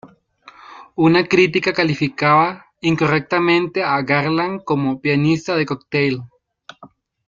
Una crítica calificaba incorrectamente a Garland como "pianista de cocktail".